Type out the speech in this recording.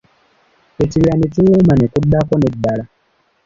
Ekibira ne kiwuuma, ne kuddako n'eddala.